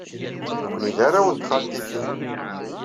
Nekkni d arraw n txaltitin.